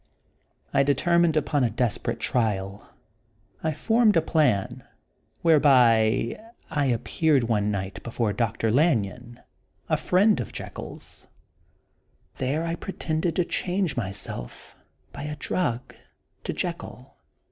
I determined upon a desperate trial. I formed a plan, whereby I appeared one Dr. Jekyll and Mr. Hyde. 39 night before Dr. Lanyon, a friend of Jekyll's. There I pretended to change myself, by a drug, to Jekyll.